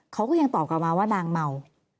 เขาก็ยังตอบกลับมาว่านางเมา